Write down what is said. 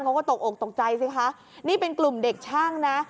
เขาก็ตกอกตกใจสิคะนี่เป็นกลุ่มเด็กช่างนะ